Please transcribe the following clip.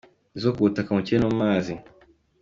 Izo ku butaka, mu kirere no mu mazi.